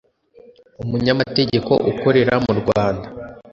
umunyamategeko ukorera mu Rwanda